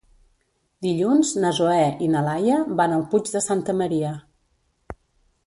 Dilluns na Zoè i na Laia van al Puig de Santa Maria.